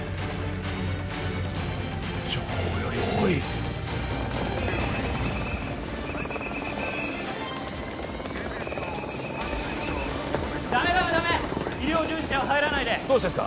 情報より多いダメ医療従事者は入らないでどうしてですか？